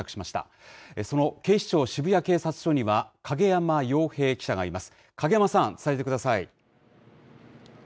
その警視庁渋谷警察署には、影山遥平記者がいます。